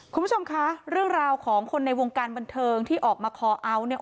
คุณผู้ชมคะเรื่องราวของคนในวงการบันเทิงที่ออกมาคอเอาท์เนี่ย